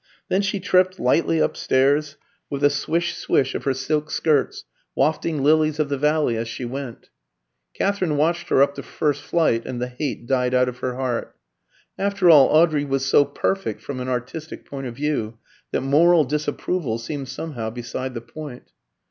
Then she tripped lightly upstairs, with a swish, swish, of her silk skirts, wafting lilies of the valley as she went. Katherine watched her up the first flight, and the hate died out of her heart. After all, Audrey was so perfect from an artistic point of view that moral disapproval seemed somehow beside the point.'